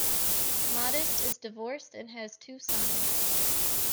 Modest is divorced and has two sons.